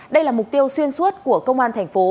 đây là mục tiêu xuyên suốt của công an tp